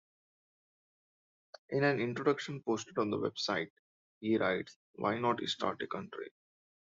In an introduction posted on the website, he writes, Why not start a country?